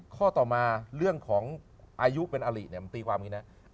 ข้อต่อมาเรื่องของอายุเป็นอาหรี่มันตีความแบบนี้